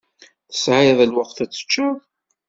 Tesɛiḍ lweqt ad teččeḍ?